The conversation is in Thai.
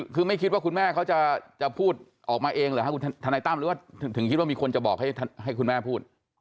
คือไม่คิดว่าคุณแม่เขาจะพูดออกมาเองหรือครับคุณทนายตั้มหรือว่าถึงคิดว่ามีคนจะบอกให้คุณแม่พูด